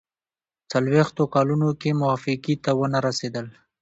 څلوېښتو کالو کې موافقې ته ونه رسېدل.